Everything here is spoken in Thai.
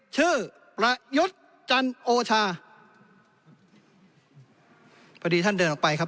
ประยุทธ์จันโอชาพอดีท่านเดินออกไปครับ